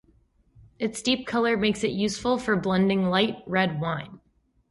Its deep color makes it useful for blending with light red wine.